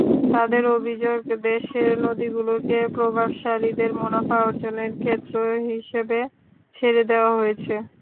তাঁদের অভিযোগ, দেশের নদীগুলোকে প্রভাবশালীদের মুনাফা অর্জনের ক্ষেত্র হিসেবে ছেড়ে দেওয়া হয়েছে।